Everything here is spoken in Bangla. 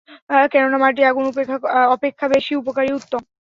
কেননা মাটি আগুন অপেক্ষা বেশি উপকারী ও উত্তম।